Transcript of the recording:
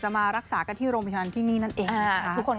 มารักษากันที่โรงพยาบาลที่นี่นั่นเองนะคะ